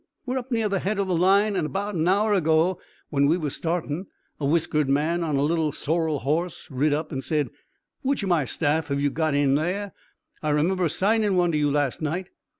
We're up near the head o' the line an' 'bout an hour ago when we was startin' a whiskered man on a little sorrel hoss rid up an' said: 'Which o' my staff have you got in there? I remember 'signin' one to you last night.'